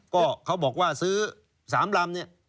ก็เขาบอกว่าซื้อ๓ลำเนี่ย